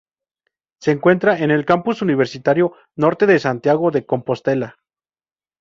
Se encuentra en el Campus Universitario Norte de Santiago de Compostela.